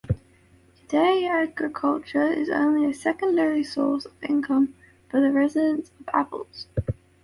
Today agriculture is only a secondary source of income for the residents of Apples.